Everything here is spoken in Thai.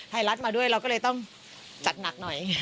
ไทยรัฐมาด้วยเราก็เลยต้องจัดหนักหน่อย